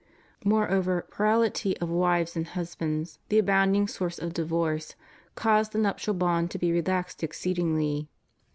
Moreover, plurality of wives and husbands, the abounding source of divorces, caused the nuptial bond to be relaxed exceedingly.